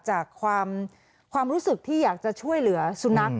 จากความรู้สึกที่อยากจะช่วยเหลือสุนัข